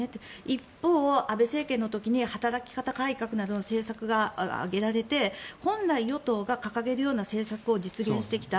一方、安倍政権の時に働き方改革などの政策が挙げられて本来、与党が掲げるような政策を実現してきた。